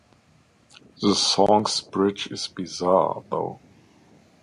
The song's bridge is bizarre, though.